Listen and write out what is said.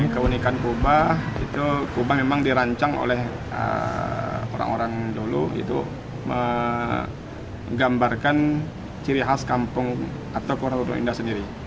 keunikan kubah itu kubah memang dirancang oleh orang orang dulu itu menggambarkan ciri khas kampung atau kota kudo indah sendiri